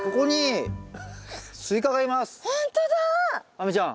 亜美ちゃん。